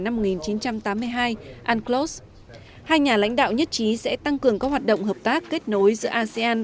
năm một nghìn chín trăm tám mươi hai unclos hai nhà lãnh đạo nhất trí sẽ tăng cường các hoạt động hợp tác kết nối giữa asean